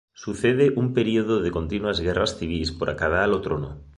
Sucede un período de continuas guerras civís por acadar o trono.